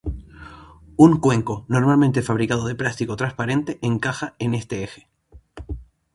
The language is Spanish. Un cuenco, normalmente fabricado de plástico transparente, encaja en este eje.